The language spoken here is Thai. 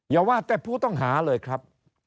อย่าว่าแต่ผู้ต้องหาเลยครับ